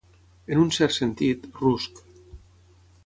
En un cert sentit, rusc.